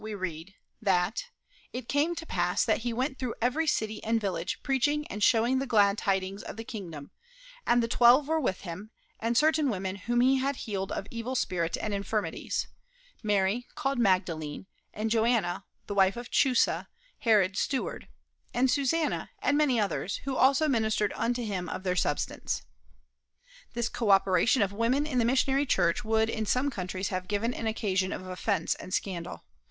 we read that "it came to pass that he went through every city and village preaching and showing the glad tidings of the kingdom; and the twelve were with him, and certain women whom he had healed of evil spirits and infirmities; Mary, called Magdalene, and Joanna, the wife of Chusa, Herod's steward, and Susanna, and many others, who also ministered unto him of their substance." This coöperation of women in the missionary church would in some countries have given an occasion of offense and scandal.